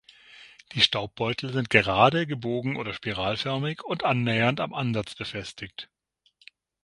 Die Staubbeutel sind gerade, gebogen oder spiralförmig und annähernd am Ansatz befestigt.